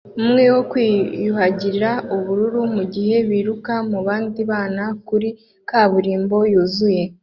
umwe wo kwiyuhagira ubururu mugihe biruka mubandi bana kuri kaburimbo yuzuye.